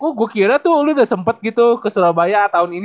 oh gue kira tuh lu udah sempet gitu ke surabaya tahun ini